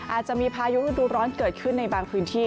อาจจะมีพายุฤดูร้อนเกิดขึ้นในบางพื้นที่